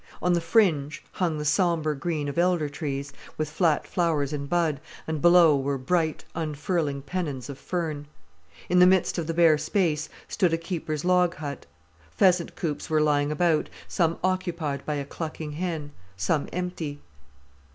On the fringe, hung the sombre green of elder trees, with flat flowers in bud, and below were bright, unfurling pennons of fern. In the midst of the bare space stood a keeper's log hut. Pheasant coops were lying about, some occupied by a clucking hen, some empty.